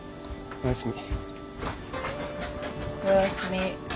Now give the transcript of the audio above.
おやすみ。